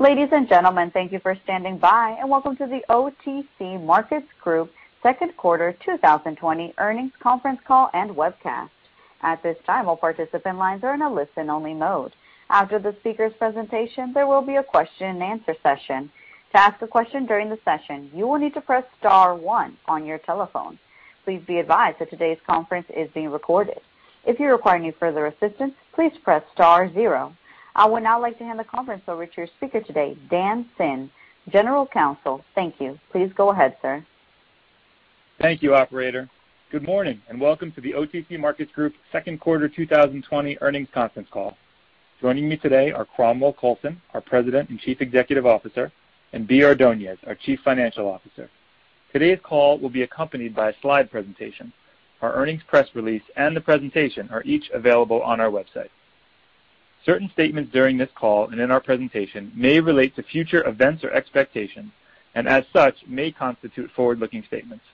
Ladies and gentlemen, thank you for standing by, and welcome to the OTC Markets Group second quarter 2020 earnings conference call and webcast. At this time, all participant lines are in a listen-only mode. After the speaker's presentation, there will be a question-and-answer session. To ask a question during the session, you will need to press star one on your telephone. Please be advised that today's conference is being recorded. If you require any further assistance, please press star zero. I would now like to hand the conference over to your speaker today, Dan Zinn, General Counsel. Thank you. Please go ahead, sir. Thank you, Operator. Good morning and welcome to the OTC Markets Group second quarter 2020 earnings conference call. Joining me today are Cromwell Coulson, our President and Chief Executive Officer, and Bea Ordonez, our Chief Financial Officer. Today's call will be accompanied by a slide presentation. Our earnings press release and the presentation are each available on our website. Certain statements during this call and in our presentation may relate to future events or expectations, and as such, may constitute forward-looking statements.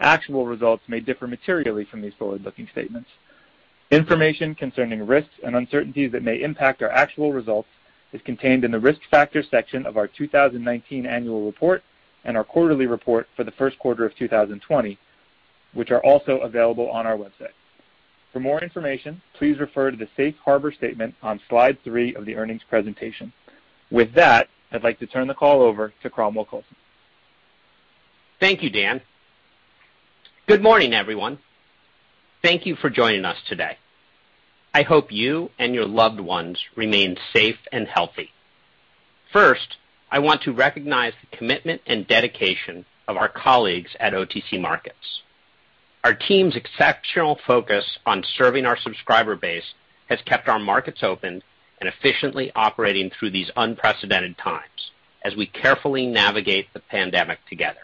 Actual results may differ materially from these forward-looking statements. Information concerning risks and uncertainties that may impact our actual results is contained in the risk factor section of our 2019 annual report and our quarterly report for the first quarter of 2020, which are also available on our website. For more information, please refer to the safe harbor statement on slide three of the earnings presentation. With that, I'd like to turn the call over to Cromwell Coulson. Thank you, Dan. Good morning, everyone. Thank you for joining us today. I hope you and your loved ones remain safe and healthy. First, I want to recognize the commitment and dedication of our colleagues at OTC Markets. Our team's exceptional focus on serving our subscriber base has kept our markets open and efficiently operating through these unprecedented times as we carefully navigate the pandemic together.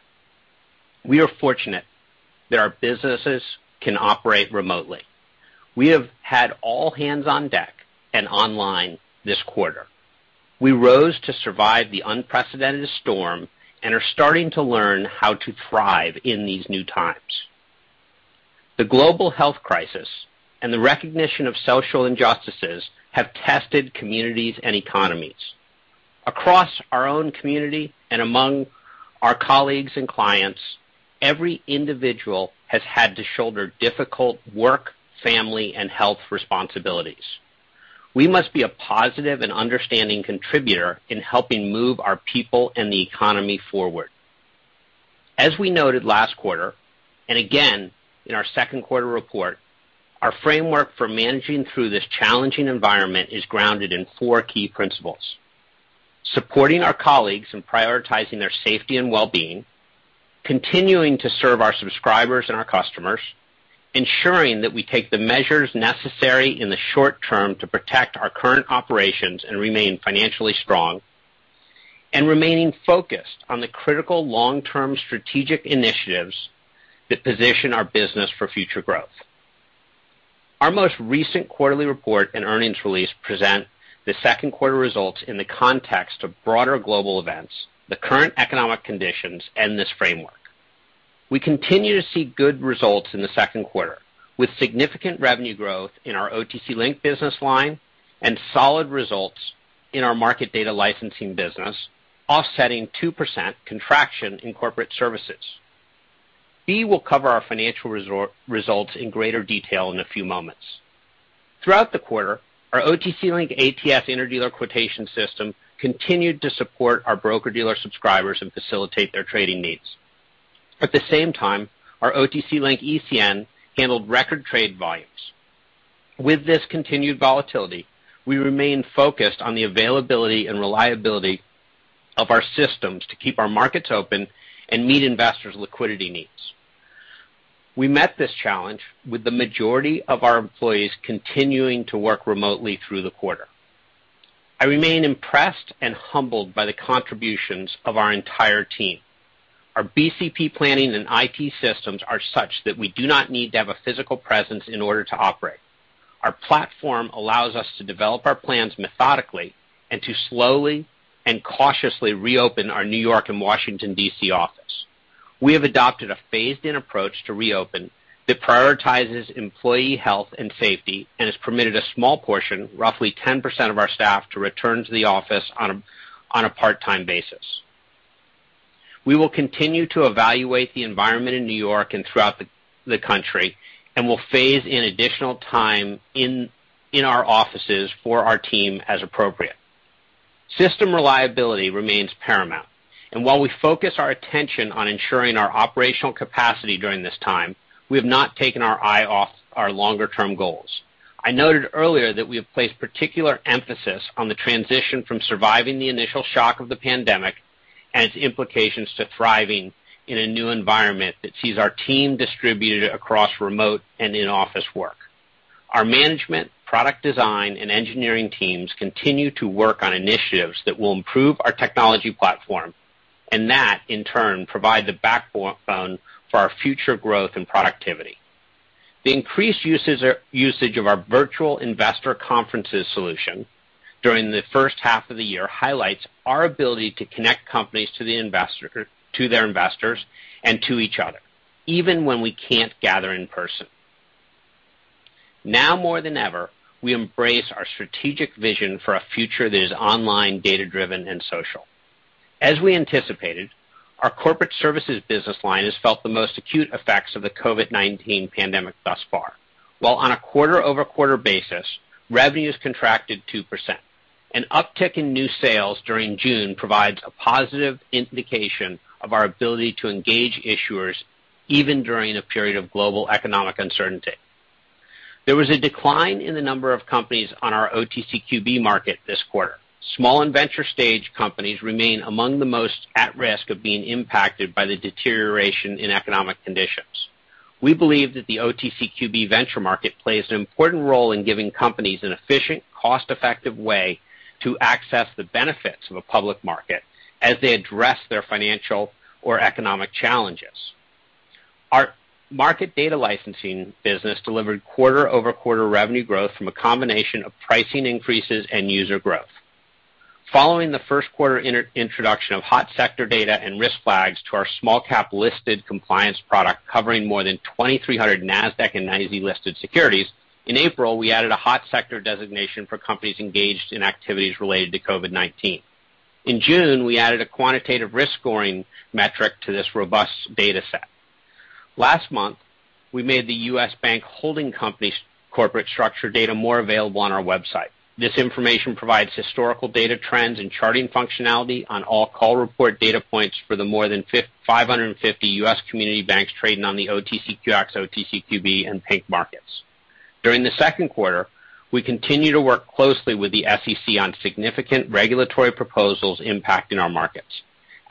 We are fortunate that our businesses can operate remotely. We have had all hands on deck and online this quarter. We rose to survive the unprecedented storm and are starting to learn how to thrive in these new times. The global health crisis and the recognition of social injustices have tested communities and economies. Across our own community and among our colleagues and clients, every individual has had to shoulder difficult work, family, and health responsibilities. We must be a positive and understanding contributor in helping move our people and the economy forward. As we noted last quarter, and again in our SQ2020 report, our framework for managing through this challenging environment is grounded in four key principles: supporting our colleagues in prioritizing their safety and well-being, continuing to serve our subscribers and our customers, ensuring that we take the measures necessary in the short term to protect our current operations and remain financially strong, and remaining focused on the critical long-term strategic initiatives that position our business for future growth. Our most recent quarterly report and earnings release present the SQ2020 results in the context of broader global events, the current economic conditions, and this framework. We continue to see good results in the second quarter 2020, with significant revenue growth in our OTC Link business line and solid results in our market data licensing business, offsetting 2% contraction in corporate services. We will cover our financial results in greater detail in a few moments. Throughout the quarter, our OTC Link ATS interdealer quotation system continued to support our broker-dealer subscribers and facilitate their trading needs. At the same time, our OTC Link ECN handled record trade volumes. With this continued volatility, we remain focused on the availability and reliability of our systems to keep our markets open and meet investors' liquidity needs. We met this challenge with the majority of our employees continuing to work remotely through the quarter. I remain impressed and humbled by the contributions of our entire team. Our BCP planning and IT systems are such that we do not need to have a physical presence in order to operate. Our platform allows us to develop our plans methodically and to slowly and cautiously reopen our New York and Washington, D.C. office. We have adopted a phased-in approach to reopen that prioritizes employee health and safety and has permitted a small portion, roughly 10% of our staff, to return to the office on a part-time basis. We will continue to evaluate the environment in New York and throughout the country and will phase in additional time in our offices for our team as appropriate. System reliability remains paramount, and while we focus our attention on ensuring our operational capacity during this time, we have not taken our eye off our longer-term goals. I noted earlier that we have placed particular emphasis on the transition from surviving the initial shock of the pandemic and its implications to thriving in a new environment that sees our team distributed across remote and in-office work. Our management, product design, and engineering teams continue to work on initiatives that will improve our technology platform and that, in turn, provide the backbone for our future growth and productivity. The increased usage of our Virtual Investor Conferences solution during the first half of the year highlights our ability to connect companies to their investors and to each other, even when we can't gather in person. Now more than ever, we embrace our strategic vision for a future that is online, data-driven, and social. As we anticipated, our corporate services business line has felt the most acute effects of the COVID-19 pandemic thus far. While on a quarter-over-quarter basis, revenue has contracted 2%, an uptick in new sales during June provides a positive indication of our ability to engage issuers even during a period of global economic uncertainty. There was a decline in the number of companies on our OTCQB market this quarter. Small and venture stage companies remain among the most at risk of being impacted by the deterioration in economic conditions. We believe that the OTCQB Venture Market plays an important role in giving companies an efficient, cost-effective way to access the benefits of a public market as they address their financial or economic challenges. Our market data licensing business delivered quarter-over-quarter revenue growth from a combination of pricing increases and user growth. Following the first quarter introduction of hot sector data and risk flags to our small-cap listed compliance product covering more than 2,300 NASDAQ and NYSE listed securities, in April, we added a hot sector designation for companies engaged in activities related to COVID-19. In June, we added a quantitative risk scoring metric to this robust data set. Last month, we made the U.S. bank holding company corporate structure data more available on our website. This information provides historical data trends and charting functionality on all call report data points for the more than 550 U.S. community banks trading on the OTCQX, OTCQB, and Pink markets. During the second quarter 2020, we continue to work closely with the SEC on significant regulatory proposals impacting our markets.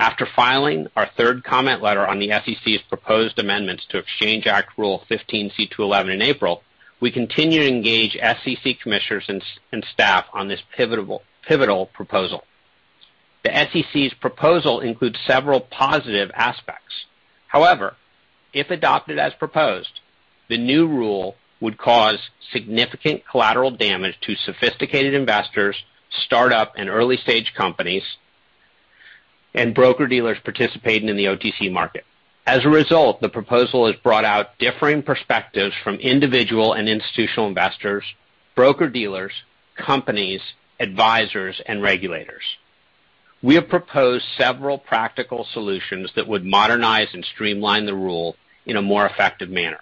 After filing our third comment letter on the SEC's proposed amendments to Exchange Act Rule 15(c)(2)(11) in April, we continue to engage SEC commissioners and staff on this pivotal proposal. The SEC's proposal includes several positive aspects. However, if adopted as proposed, the new rule would cause significant collateral damage to sophisticated investors, startup and early-stage companies, and broker-dealers participating in the OTC market. As a result, the proposal has brought out differing perspectives from individual and institutional investors, broker-dealers, companies, advisors, and regulators. We have proposed several practical solutions that would modernize and streamline the rule in a more effective manner.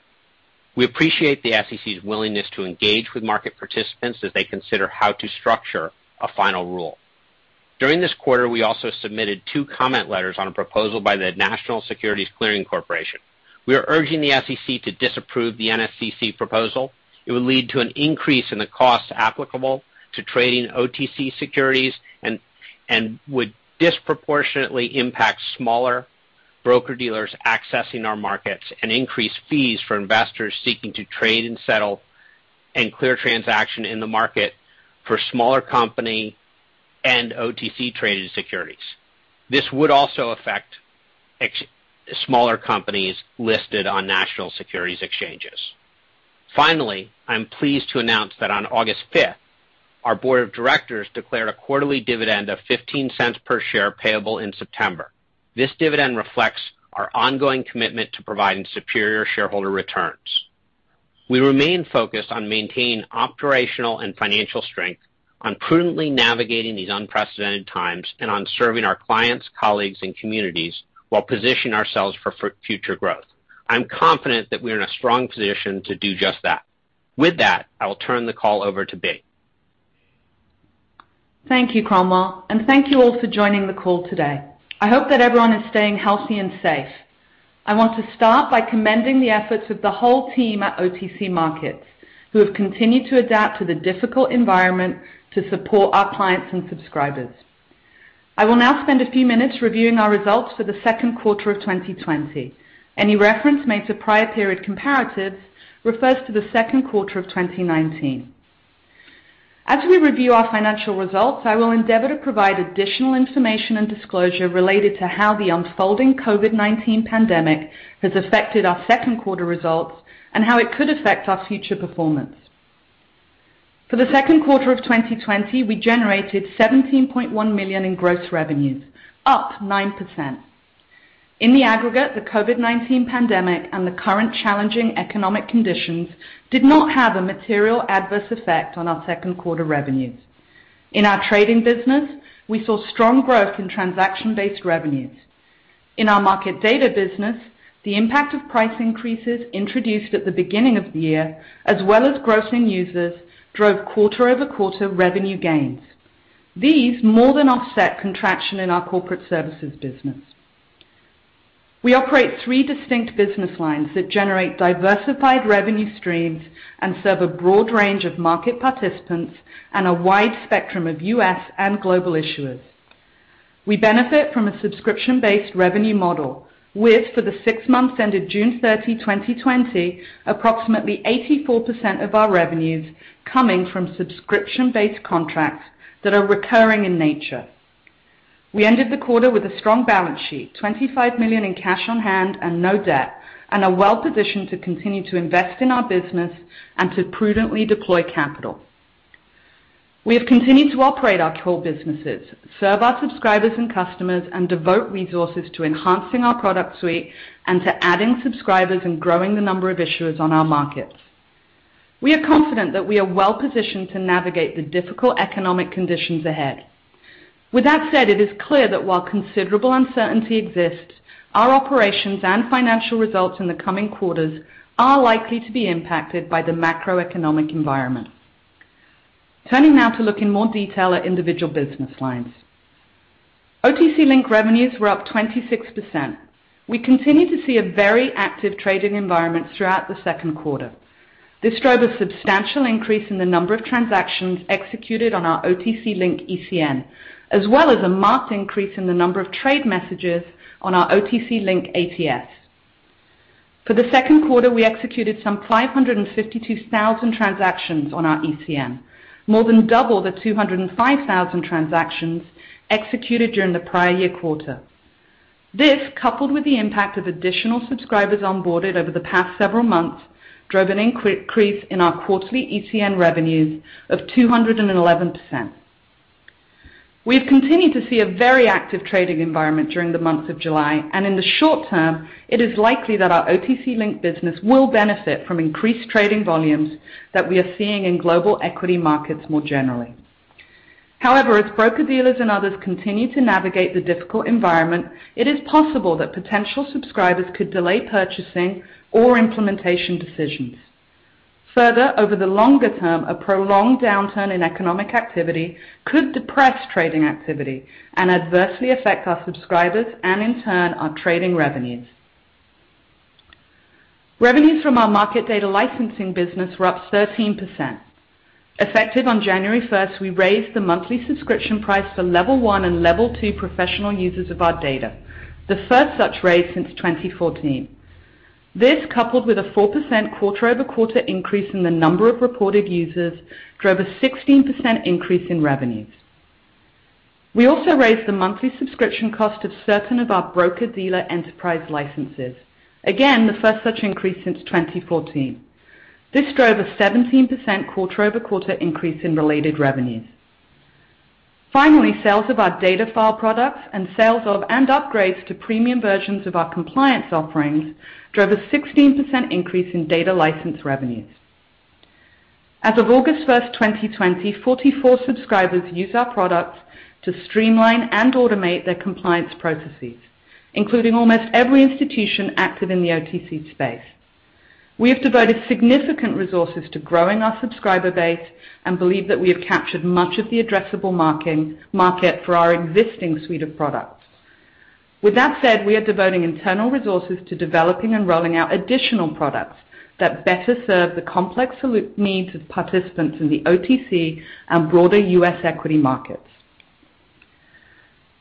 We appreciate the SEC's willingness to engage with market participants as they consider how to structure a final rule. During this quarter, we also submitted two comment letters on a proposal by the National Securities Clearing Corporation. We are urging the SEC to disapprove the NSCC proposal. It would lead to an increase in the costs applicable to trading OTC securities and would disproportionately impact smaller broker-dealers accessing our markets and increase fees for investors seeking to trade and settle and clear transactions in the market for smaller company and OTC traded securities. This would also affect smaller companies listed on national securities exchanges. Finally, I'm pleased to announce that on August 5th, our board of directors declared a quarterly dividend of $0.15 per share payable in September. This dividend reflects our ongoing commitment to providing superior shareholder returns. We remain focused on maintaining operational and financial strength, on prudently navigating these unprecedented times, and on serving our clients, colleagues, and communities while positioning ourselves for future growth. I'm confident that we are in a strong position to do just that. With that, I will turn the call over to Bea. Thank you, Cromwell. Thank you all for joining the call today. I hope that everyone is staying healthy and safe. I want to start by commending the efforts of the whole team at OTC Markets Group, who have continued to adapt to the difficult environment to support our clients and subscribers. I will now spend a few minutes reviewing our results for the second quarter 2020. Any reference made to prior period comparatives refers to the second quarter 2019. As we review our financial results, I will endeavor to provide additional information and disclosure related to how the unfolding COVID-19 pandemic has affected our second quarter results and how it could affect our future performance. For the second quarter 2020, we generated $17.1 million in gross revenues, up 9%. In the aggregate, the COVID-19 pandemic and the current challenging economic conditions did not have a material adverse effect on our second quarter revenues. In our trading business, we saw strong growth in transaction-based revenues. In our market data business, the impact of price increases introduced at the beginning of the year, as well as growing users, drove quarter-over-quarter revenue gains. These more than offset contraction in our corporate services business. We operate three distinct business lines that generate diversified revenue streams and serve a broad range of market participants and a wide spectrum of U.S. and global issuers. We benefit from a subscription-based revenue model, with, for the six months ended June 30, 2020, approximately 84% of our revenues coming from subscription-based contracts that are recurring in nature. We ended the quarter with a strong balance sheet, $25 million in cash on hand and no debt, and are well positioned to continue to invest in our business and to prudently deploy capital. We have continued to operate our core businesses, serve our subscribers and customers, and devote resources to enhancing our product suite and to adding subscribers and growing the number of issuers on our markets. We are confident that we are well positioned to navigate the difficult economic conditions ahead. With that said, it is clear that while considerable uncertainty exists, our operations and financial results in the coming quarters are likely to be impacted by the macroeconomic environment. Turning now to look in more detail at individual business lines. OTC Link revenues were up 26%. We continue to see a very active trading environment throughout the second quarter. This drove a substantial increase in the number of transactions executed on our OTC Link ECN, as well as a marked increase in the number of trade messages on our OTC Link ATS. For the second quarter, we executed some 552,000 transactions on our ECN, more than double the 205,000 transactions executed during the prior year quarter. This, coupled with the impact of additional subscribers onboarded over the past several months, drove an increase in our quarterly ECN revenues of 211%. We have continued to see a very active trading environment during the months of July, and in the short term, it is likely that our OTC Link business will benefit from increased trading volumes that we are seeing in global equity markets more generally. However, as broker-dealers and others continue to navigate the difficult environment, it is possible that potential subscribers could delay purchasing or implementation decisions. Further, over the longer term, a prolonged downturn in economic activity could depress trading activity and adversely affect our subscribers and, in turn, our trading revenues. Revenues from our market data licensing business were up 13%. Effective on January 1st, we raised the monthly subscription price for Level 1 and Level 2 professional users of our data, the first such raise since 2014. This, coupled with a 4% quarter-over-quarter increase in the number of reported users, drove a 16% increase in revenues. We also raised the monthly subscription cost of certain of our broker-dealer enterprise licenses, again the first such increase since 2014. This drove a 17% quarter-over-quarter increase in related revenues. Finally, sales of our data file products and sales of and upgrades to premium versions of our compliance offerings drove a 16% increase in data license revenues. As of August 1st, 2020, 44 subscribers use our products to streamline and automate their compliance processes, including almost every institution active in the OTC space. We have devoted significant resources to growing our subscriber base and believe that we have captured much of the addressable market for our existing suite of products. With that said, we are devoting internal resources to developing and rolling out additional products that better serve the complex needs of participants in the OTC and broader U.S. equity markets.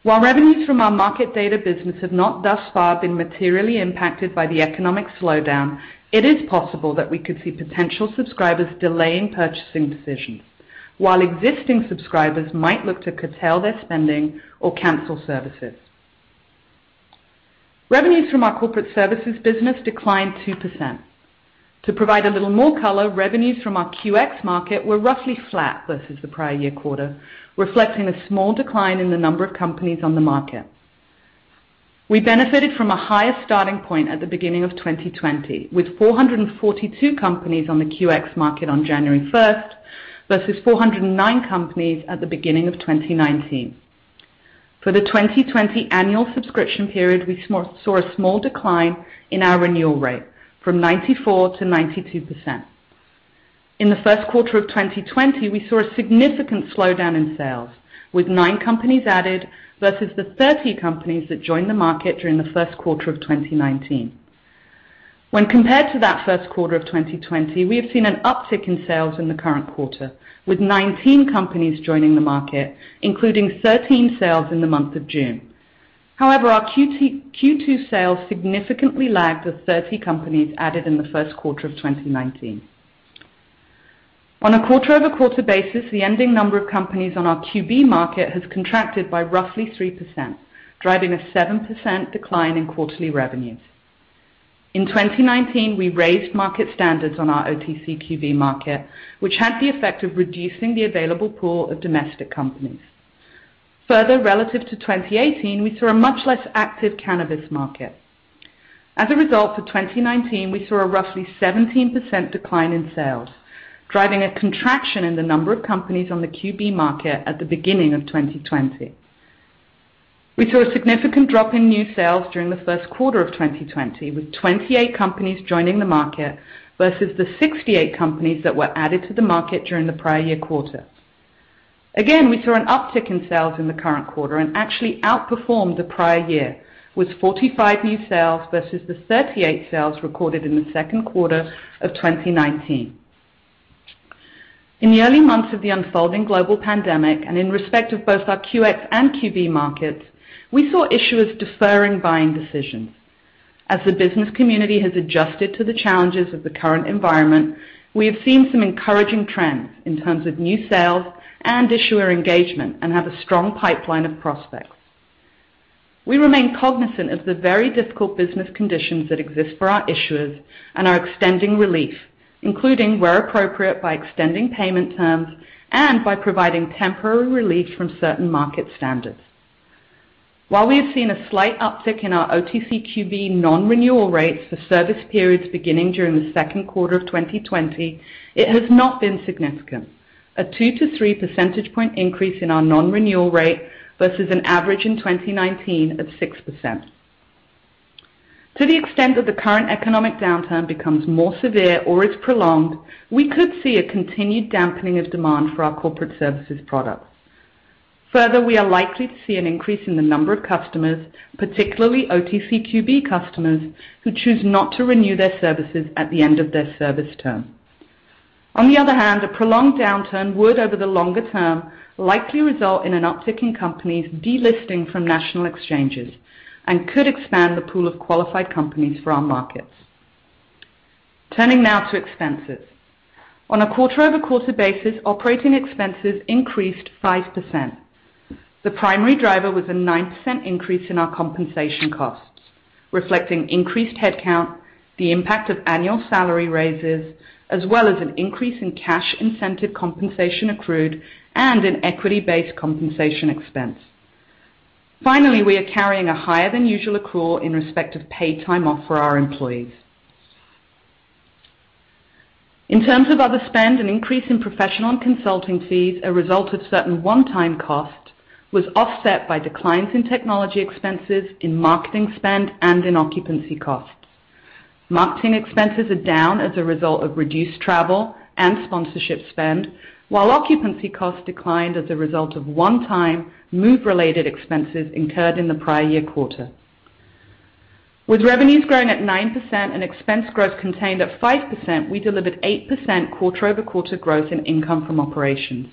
While revenues from our market data business have not thus far been materially impacted by the economic slowdown, it is possible that we could see potential subscribers delaying purchasing decisions, while existing subscribers might look to curtail their spending or cancel services. Revenues from our corporate services business declined 2%. To provide a little more color, revenues from our QX market were roughly flat versus the prior year quarter, reflecting a small decline in the number of companies on the market. We benefited from a higher starting point at the beginning of 2020, with 442 companies on the QX market on January 1st versus 409 companies at the beginning of 2019. For the 2020 annual subscription period, we saw a small decline in our renewal rate, from 94% to 92%. In the first quarter 2020, we saw a significant slowdown in sales, with 9 companies added versus the 30 companies that joined the market during the first quarter 2019. When compared to that first quarter 2020, we have seen an uptick in sales in the current quarter, with 19 companies joining the market, including 13 sales in the month of June. However, our Q2 sales significantly lagged the 30 companies added in the first quarter 2019. On a quarter-over-quarter basis, the ending number of companies on our QB market has contracted by roughly 3%, driving a 7% decline in quarterly revenues. In 2019, we raised market standards on our OTCQB market, which had the effect of reducing the available pool of domestic companies. Further, relative to 2018, we saw a much less active cannabis market. As a result of 2019, we saw a roughly 17% decline in sales, driving a contraction in the number of companies on the QB market at the beginning of 2020. We saw a significant drop in new sales during the first quarter 2020, with 28 companies joining the market versus the 68 companies that were added to the market during the prior year quarter. Again, we saw an uptick in sales in the current quarter and actually outperformed the prior year, with 45 new sales versus the 38 sales recorded in the second quarter of 2019. In the early months of the unfolding global pandemic and in respect of both our QX and QB markets, we saw issuers deferring buying decisions. As the business community has adjusted to the challenges of the current environment, we have seen some encouraging trends in terms of new sales and issuer engagement and have a strong pipeline of prospects. We remain cognizant of the very difficult business conditions that exist for our issuers and are extending relief, including where appropriate by extending payment terms and by providing temporary relief from certain market standards. While we have seen a slight uptick in our OTCQB non-renewal rates for service periods beginning during the second quarter 2020, it has not been significant, a 2 to 3 percentage point increase in our non-renewal rate versus an average in 2019 of 6%. To the extent that the current economic downturn becomes more severe or is prolonged, we could see a continued dampening of demand for our corporate services products. Further, we are likely to see an increase in the number of customers, particularly OTCQB customers, who choose not to renew their services at the end of their service term. On the other hand, a prolonged downturn would, over the longer term, likely result in an uptick in companies delisting from national exchanges and could expand the pool of qualified companies for our markets. Turning now to expenses. On a quarter-over-quarter basis, operating expenses increased 5%. The primary driver was a 9% increase in our compensation costs, reflecting increased headcount, the impact of annual salary raises, as well as an increase in cash incentive compensation accrued and in equity-based compensation expense. Finally, we are carrying a higher than usual accrual in respect of paid time off for our employees. In terms of other spend, an increase in professional and consulting fees, a result of certain one-time costs, was offset by declines in technology expenses, in marketing spend, and in occupancy costs. Marketing expenses are down as a result of reduced travel and sponsorship spend, while occupancy costs declined as a result of one-time move-related expenses incurred in the prior year quarter. With revenues growing at 9% and expense growth contained at 5%, we delivered 8% quarter-over-quarter growth in income from operations,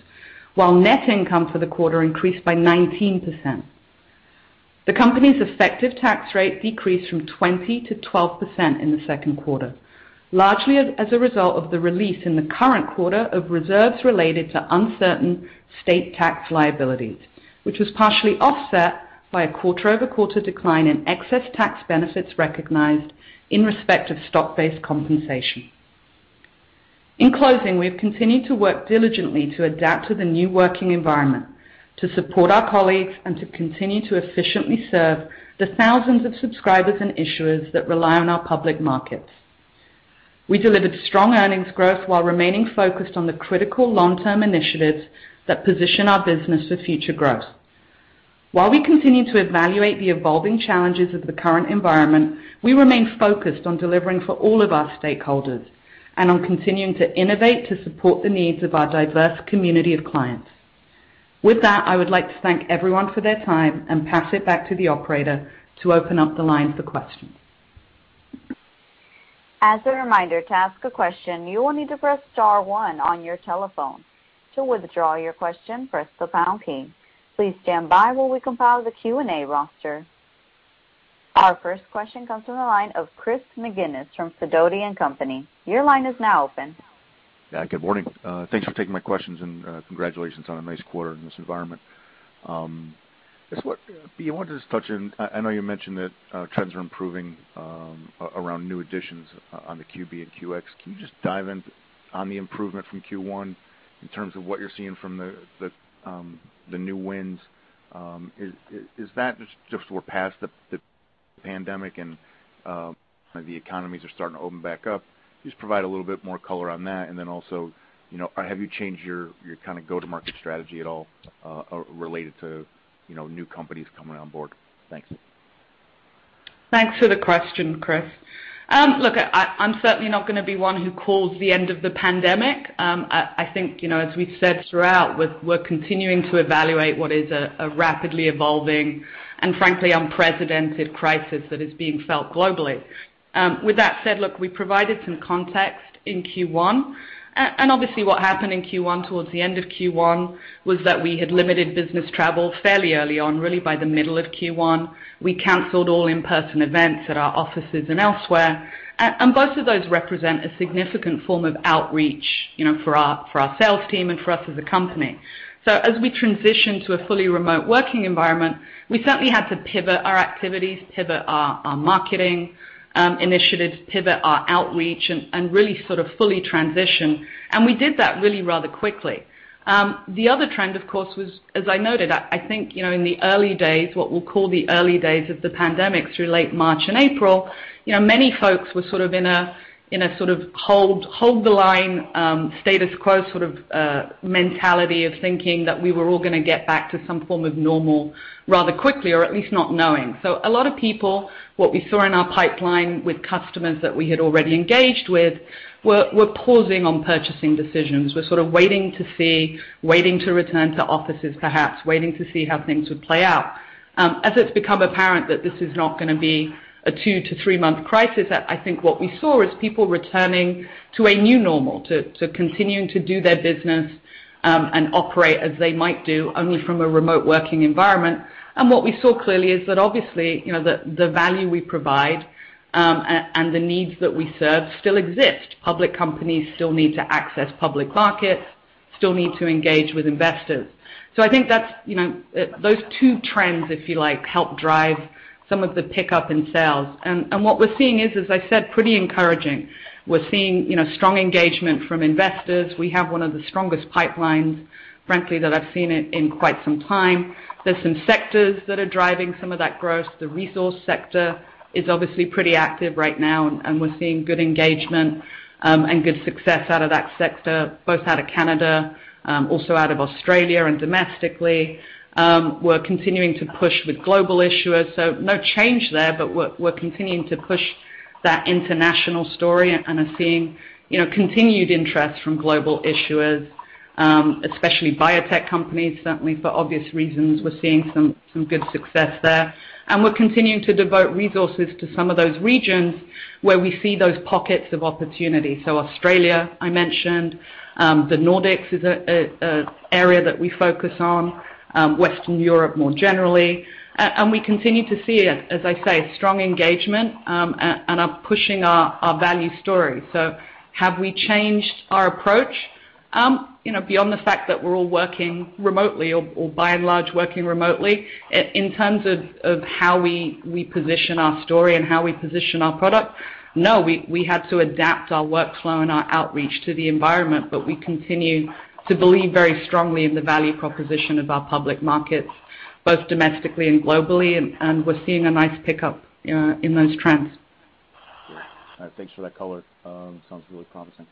while net income for the quarter increased by 19%. The company's effective tax rate decreased from 20% to 12% in the second quarter, largely as a result of the release in the current quarter of reserves related to uncertain state tax liabilities, which was partially offset by a quarter-over-quarter decline in excess tax benefits recognized in respect of stock-based compensation. In closing, we have continued to work diligently to adapt to the new working environment, to support our colleagues, and to continue to efficiently serve the thousands of subscribers and issuers that rely on our public markets. We delivered strong earnings growth while remaining focused on the critical long-term initiatives that position our business for future growth. While we continue to evaluate the evolving challenges of the current environment, we remain focused on delivering for all of our stakeholders and on continuing to innovate to support the needs of our diverse community of clients. With that, I would like to thank everyone for their time and pass it back to the operator to open up the line for questions. As a reminder to ask a question, you will need to press star one on your telephone. To withdraw your question, press the pound key. Please stand by while we compile the Q&A roster. Our first question comes from the line of Chris McGinnis from Sidoti & Company. Your line is now open. Yeah, good morning. Thanks for taking my questions and congratulations on a nice quarter in this environment. I wanted to just touch on, I know you mentioned that trends are improving around new additions on the QB and QX. Can you just dive in on the improvement from Q1 in terms of what you're seeing from the new winds? Is that just we're past the pandemic and the economies are starting to open back up? Just provide a little bit more color on that and then also, have you changed your kind of go-to-market strategy at all related to new companies coming on board? Thanks. Thanks for the question, Chris. Look, I'm certainly not going to be one who calls the end of the pandemic. I think, as we've said throughout, we're continuing to evaluate what is a rapidly evolving and frankly unprecedented crisis that is being felt globally. With that said, we provided some context in Q1. Obviously, what happened in Q1 towards the end of Q1 was that we had limited business travel fairly early on, really by the middle of Q1. We canceled all in-person events at our offices and elsewhere. Both of those represent a significant form of outreach for our sales team and for us as a company. As we transitioned to a fully remote working environment, we certainly had to pivot our activities, pivot our marketing initiatives, pivot our outreach, and really sort of fully transition. We did that really rather quickly. The other trend, of course, was, as I noted, I think in the early days, what we'll call the early days of the pandemic through late March and April, many folks were sort of in a sort of hold-the-line status quo sort of mentality of thinking that we were all going to get back to some form of normal rather quickly, or at least not knowing. A lot of people, what we saw in our pipeline with customers that we had already engaged with, were pausing on purchasing decisions, were sort of waiting to see, waiting to return to offices perhaps, waiting to see how things would play out. As it's become apparent that this is not going to be a two to three-month crisis, I think what we saw is people returning to a new normal, to continuing to do their business and operate as they might do only from a remote working environment. What we saw clearly is that obviously the value we provide and the needs that we serve still exist. Public companies still need to access public markets, still need to engage with investors. I think those two trends, if you like, help drive some of the pickup in sales. What we're seeing is, as I said, pretty encouraging. We're seeing strong engagement from investors. We have one of the strongest pipelines, frankly, that I've seen in quite some time. There's some sectors that are driving some of that growth. The resource sector is obviously pretty active right now, and we're seeing good engagement and good success out of that sector, both out of Canada, also out of Australia and domestically. We're continuing to push with global issuers. No change there, but we're continuing to push that international story and are seeing continued interest from global issuers, especially biotech companies, certainly for obvious reasons. We're seeing some good success there. We're continuing to devote resources to some of those regions where we see those pockets of opportunity. Australia, I mentioned. The Nordics is an area that we focus on, Western Europe more generally. We continue to see, as I say, strong engagement and are pushing our value story. Have we changed our approach beyond the fact that we're all working remotely or by and large working remotely in terms of how we position our story and how we position our product? No, we had to adapt our workflow and our outreach to the environment, but we continue to believe very strongly in the value proposition of our public markets, both domestically and globally. We're seeing a nice pickup in those trends. Thanks for that color. Sounds really promising.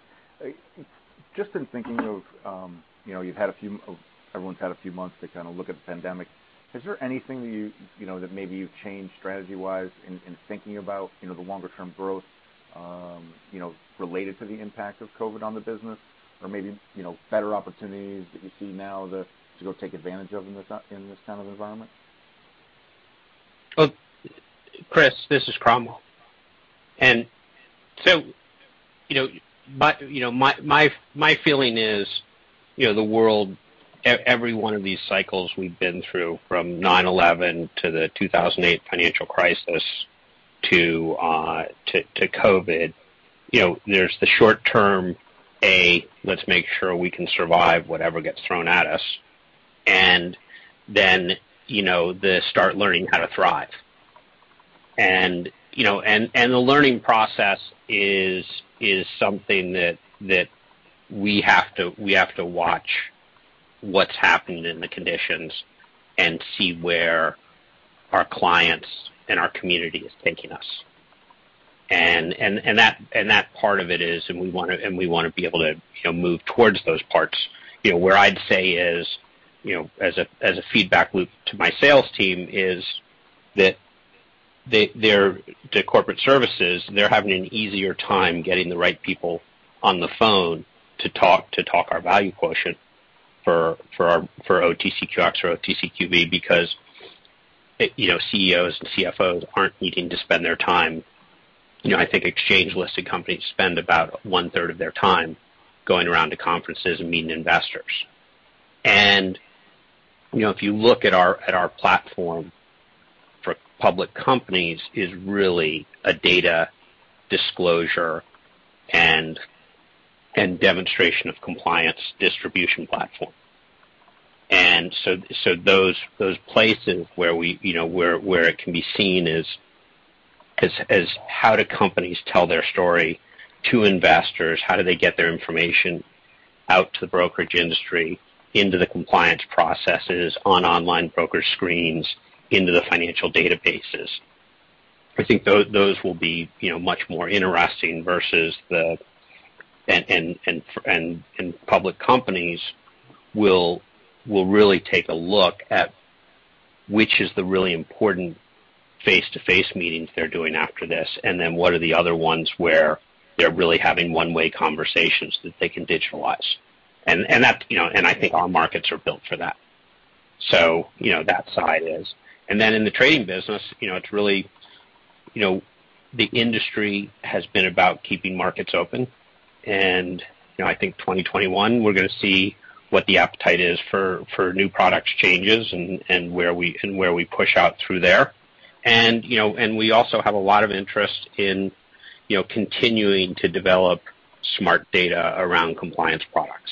Just in thinking of, you've had a few, everyone's had a few months to kind of look at the pandemic. Is there anything that maybe you've changed strategy-wise in thinking about the longer-term growth related to the impact of COVID on the business or maybe better opportunities that you see now to go take advantage of in this kind of environment? Chris, this is Cromwell. My feeling is the world, every one of these cycles we've been through from 9/11 to the 2008 financial crisis to COVID, there's the short-term A, let's make sure we can survive whatever gets thrown at us, and then the start learning how to thrive. The learning process is something that we have to watch what's happened in the conditions and see where our clients and our community is taking us. That part of it is, and we want to be able to move towards those parts. Where I'd say is, as a feedback loop to my sales team, is that the corporate services, they're having an easier time getting the right people on the phone to talk our value quotient for OTCQX or OTCQB because CEOs and CFOs aren't needing to spend their time. I think exchange-listed companies spend about one-third of their time going around to conferences and meeting investors. If you look at our platform for public companies, it is really a data disclosure and demonstration of compliance distribution platform. Those places where it can be seen is how do companies tell their story to investors? How do they get their information out to the brokerage industry, into the compliance processes, on online broker screens, into the financial databases? I think those will be much more interesting versus the public companies will really take a look at which is the really important face-to-face meetings they're doing after this, and then what are the other ones where they're really having one-way conversations that they can digitalize. I think our markets are built for that. That side is. In the trading business, it's really the industry has been about keeping markets open. I think 2021, we're going to see what the appetite is for new products changes and where we push out through there. We also have a lot of interest in continuing to develop smart data around compliance products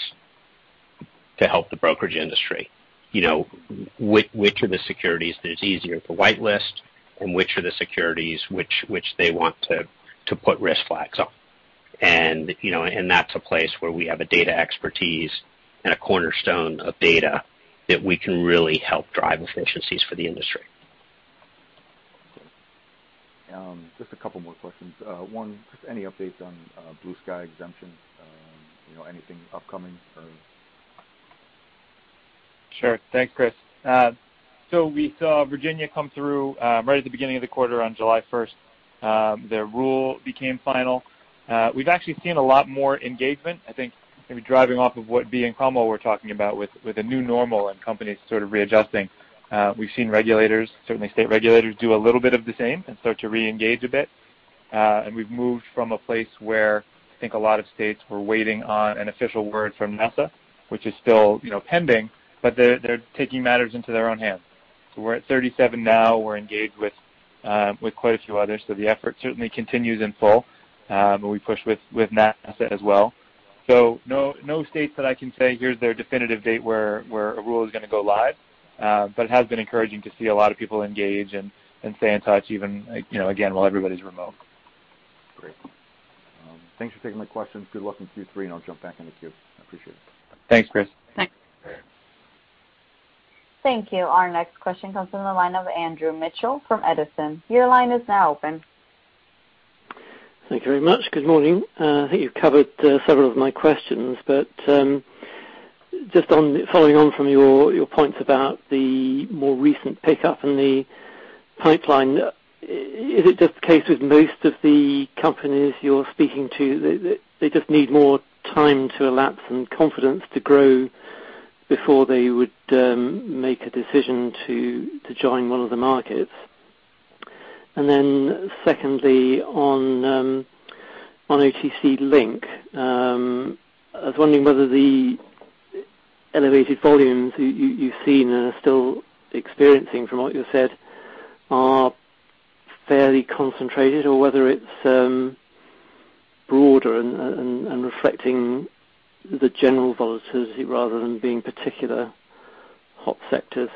to help the brokerage industry. Which are the securities that it's easier to whitelist and which are the securities which they want to put red flags on? That's a place where we have a data expertise and a cornerstone of data that we can really help drive efficiencies for the industry. Just a couple more questions. One, just any updates on blue sky exemptions, anything upcoming? Sure. Thanks, Chris. We saw Virginia come through right at the beginning of the quarter on July 1st. The rule became final. We've actually seen a lot more engagement. I think maybe driving off of what B and Cromwell were talking about with a new normal and companies sort of readjusting. We've seen regulators, certainly state regulators, do a little bit of the same and start to reengage a bit. We've moved from a place where I think a lot of states were waiting on an official word from NASAA, which is still pending, but they're taking matters into their own hands. We are at 37 now. We're engaged with quite a few others. The effort certainly continues in full. We push with NASAA as well. There are no states that I can say, "Here's their definitive date where a rule is going to go live." It has been encouraging to see a lot of people engage and stay in touch, even again, while everybody's remote. Great. Thanks for taking my questions. Good luck in Q3, and I'll jump back into queue. I appreciate it. Thanks, Chris. Thanks. Thank you. Our next question comes from the line of Andrew Mitchell from Edison. Your line is now open. Thank you very much. Good morning. I think you've covered several of my questions, but just following on from your points about the more recent pickup and the pipeline, is it just the case with most of the companies you're speaking to that they just need more time to elapse and confidence to grow before they would make a decision to join one of the markets? Secondly, on OTC Link, I was wondering whether the elevated volumes you've seen and are still experiencing from what you said are fairly concentrated or whether it's broader and reflecting the general volatility rather than being particular hot sectors.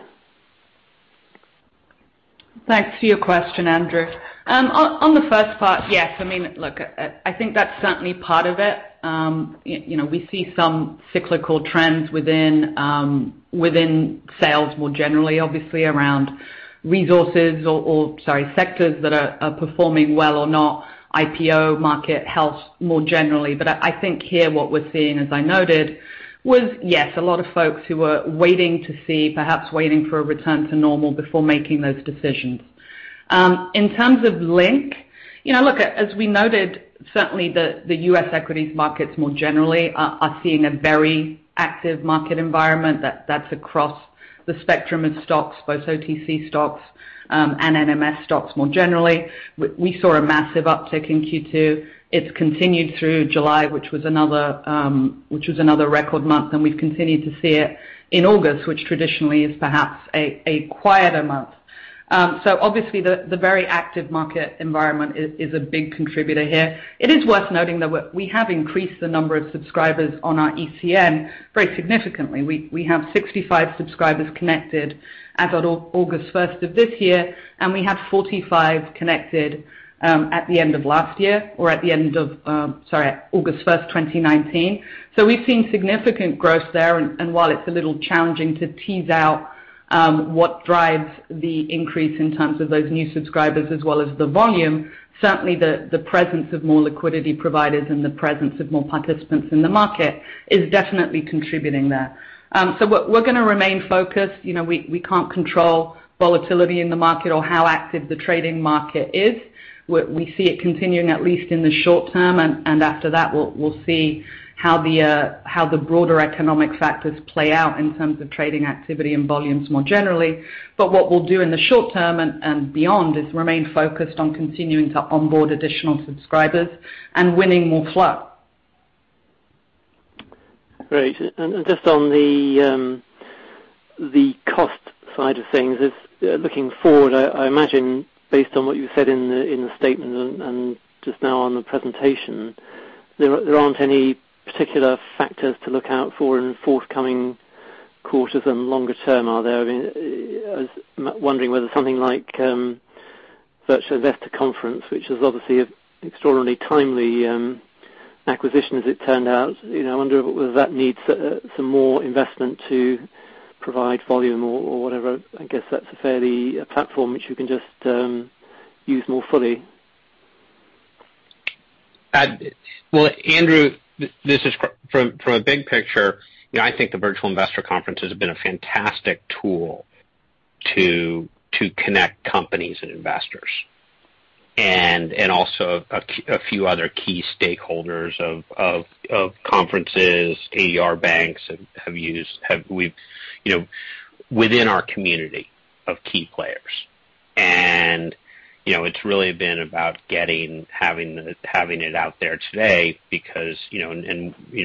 Thanks for your question, Andrew. On the first part, yes. I mean, look, I think that's certainly part of it. We see some cyclical trends within sales more generally, obviously, around resources or, sorry, sectors that are performing well or not, IPO market health more generally. I think here what we're seeing, as I noted, was, yes, a lot of folks who were waiting to see, perhaps waiting for a return to normal before making those decisions. In terms of Link, look, as we noted, certainly the U.S. equities markets more generally are seeing a very active market environment that's across the spectrum of stocks, both OTC stocks and NMS stocks more generally. We saw a massive uptick in Q2. It's continued through July, which was another record month, and we've continued to see it in August, which traditionally is perhaps a quieter month. Obviously, the very active market environment is a big contributor here. It is worth noting that we have increased the number of subscribers on our ECN very significantly. We have 65 subscribers connected as of August 1st of this year, and we had 45 connected at the end of last year or at the end of, sorry, August 1st, 2019. We have seen significant growth there. While it is a little challenging to tease out what drives the increase in terms of those new subscribers as well as the volume, certainly the presence of more liquidity providers and the presence of more participants in the market is definitely contributing there. We are going to remain focused. We cannot control volatility in the market or how active the trading market is. We see it continuing at least in the short term, and after that, we'll see how the broader economic factors play out in terms of trading activity and volumes more generally. What we'll do in the short term and beyond is remain focused on continuing to onboard additional subscribers and winning more flow. Great. Just on the cost side of things, looking forward, I imagine based on what you've said in the statement and just now on the presentation, there aren't any particular factors to look out for in forthcoming quarters and longer term, are there? I mean, wondering whether something like Virtual Investor Conferences, which is obviously an extraordinarily timely acquisition, as it turned out, I wonder whether that needs some more investment to provide volume or whatever. I guess that's a fairly platform which you can just use more fully. Andrew, this is from a big picture. I think the Virtual Investor Conference has been a fantastic tool to connect companies and investors and also a few other key stakeholders of conferences, AR banks have used within our community of key players. It has really been about getting having it out there today because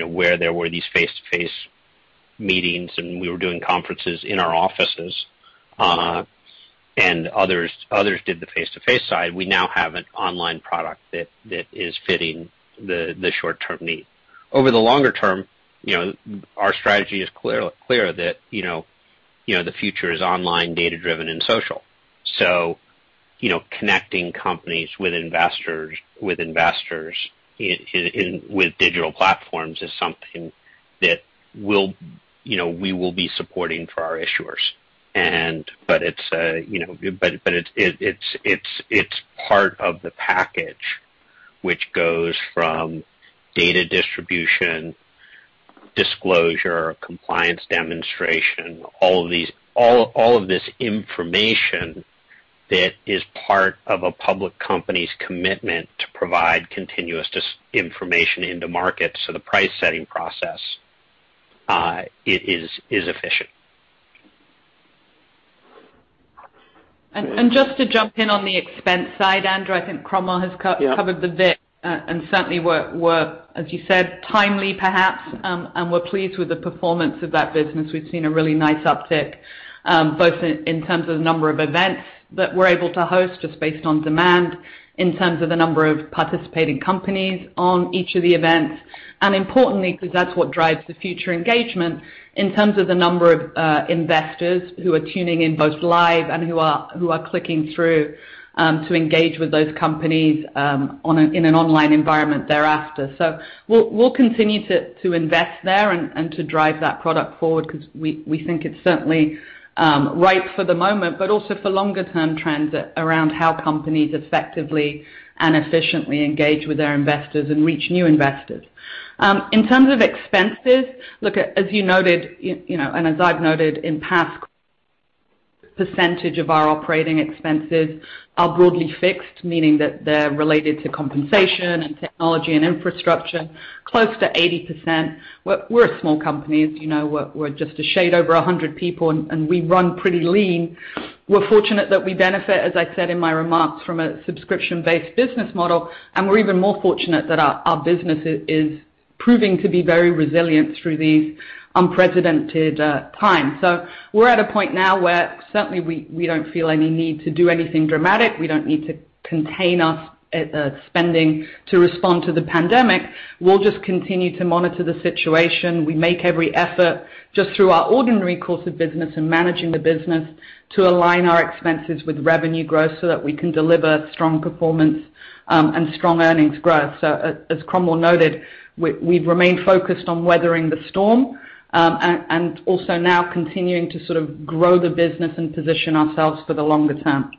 where there were these face-to-face meetings and we were doing conferences in our offices and others did the face-to-face side. We now have an online product that is fitting the short-term need. Over the longer term, our strategy is clear that the future is online, data-driven, and social. Connecting companies with investors with digital platforms is something that we will be supporting for our issuers. It is part of the package which goes from data distribution, disclosure, compliance demonstration, all of this information that is part of a public company's commitment to provide continuous information into markets so the price-setting process is efficient. Just to jump in on the expense side, Andrew, I think Cromwell has covered the VIC and certainly were, as you said, timely perhaps, and were pleased with the performance of that business. We have seen a really nice uptick both in terms of the number of events that we are able to host just based on demand, in terms of the number of participating companies on each of the events, and importantly, because that is what drives the future engagement, in terms of the number of investors who are tuning in both live and who are clicking through to engage with those companies in an online environment thereafter. We'll continue to invest there and to drive that product forward because we think it's certainly ripe for the moment, but also for longer-term trends around how companies effectively and efficiently engage with their investors and reach new investors. In terms of expenses, look, as you noted, and as I've noted in past, percentage of our operating expenses are broadly fixed, meaning that they're related to compensation and technology and infrastructure, close to 80%. We're a small company. As you know, we're just a shade over 100 people, and we run pretty lean. We're fortunate that we benefit, as I said in my remarks, from a subscription-based business model, and we're even more fortunate that our business is proving to be very resilient through these unprecedented times. We're at a point now where certainly we don't feel any need to do anything dramatic. We don't need to contain our spending to respond to the pandemic. We'll just continue to monitor the situation. We make every effort just through our ordinary course of business and managing the business to align our expenses with revenue growth so that we can deliver strong performance and strong earnings growth. As Cromwell noted, we've remained focused on weathering the storm and also now continuing to sort of grow the business and position ourselves for the longer term.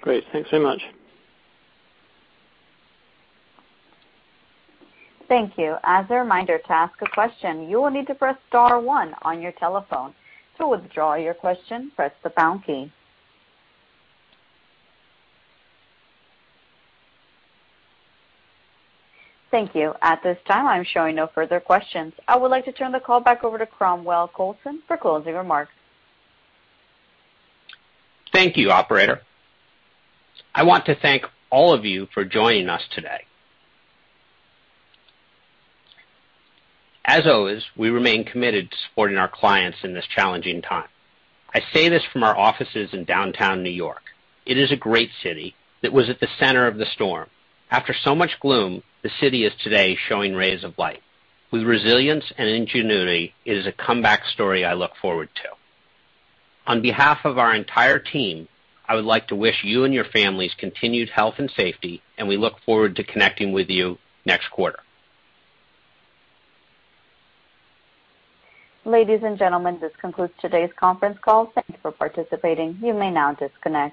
Great. Thanks very much. Thank you. As a reminder to ask a question, you will need to press star one on your telephone. To withdraw your question, press the pound key. Thank you. At this time, I'm showing no further questions. I would like to turn the call back over to Cromwell Coulson for closing remarks. Thank you, Operator. I want to thank all of you for joining us today. As always, we remain committed to supporting our clients in this challenging time. I say this from our offices in downtown New York. It is a great city that was at the center of the storm. After so much gloom, the city is today showing rays of light. With resilience and ingenuity, it is a comeback story I look forward to. On behalf of our entire team, I would like to wish you and your families continued health and safety, and we look forward to connecting with you next quarter. Ladies and gentlemen, this concludes today's conference call. Thank you for participating. You may now disconnect.